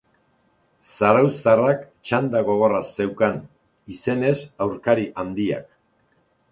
Zarauztarrak txanda gogorra zeukan, izenez aurkari handiak.